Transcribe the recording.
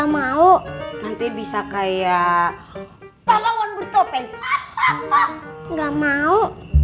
mau nanti bisa kayak talawan bertopeng enggak mau